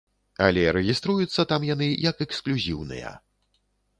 Але рэгіструюцца там яны як эксклюзіўныя.